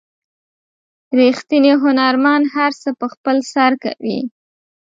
ریښتینی هنرمند هر څه په خپل سر کوي.